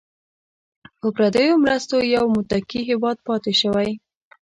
په پردیو مرستو یو متکي هیواد پاتې شوی.